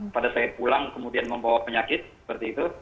pada saya pulang kemudian membawa penyakit seperti itu